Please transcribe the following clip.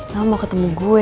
lo mau ketemu gue